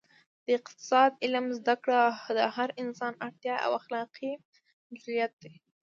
د اقتصاد علم زده کړه د هر انسان اړتیا او اخلاقي مسوولیت دی